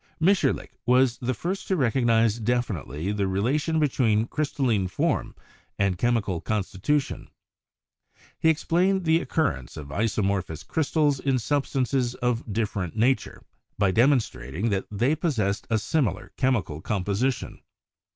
Mitscherlich was the first to recognise definitely the relation between crystalline form and chemical constitu tion. He explained the occurrence of isomorphous crys tals in substances of different nature by demonstrating that they possessed a similar chemical composition.